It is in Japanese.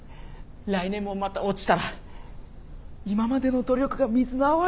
来年もまた落ちたら今までの努力が水の泡に。